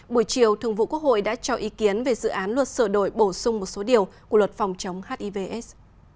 buổi chiều thường vụ quốc hội đã cho ý kiến về dự án luật sửa đổi bổ sung một số điều của luật phòng chống hivs